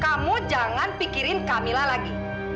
kamu jangan pikirin kamila lagi